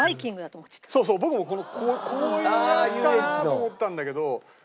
そうそう僕もこういうやつかなと思ったんだけど。